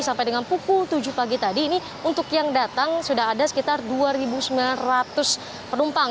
sampai dengan pukul tujuh pagi tadi ini untuk yang datang sudah ada sekitar dua sembilan ratus penumpang